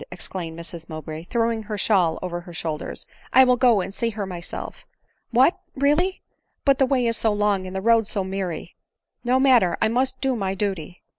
exclaimed Mrs Mowbray, throwing her shawl over her shoulders ; "I will go and see her myself." ." What, really? — But the way is so long, and the road so miry!" " No matter — I must do my duty."